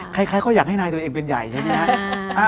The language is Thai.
คล้ายเขาอยากให้นายตัวเองเป็นใหญ่ใช่ไหมครับ